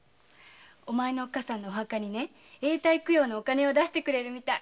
お前のおっかさんのお墓に永代供養のお金を出してくれるみたい。